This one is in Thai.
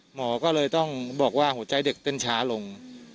หมอก็เลยต้องบอกว่าหัวใจเด็กเต้นช้าลง